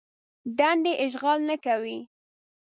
دندې اشغال نه کوي.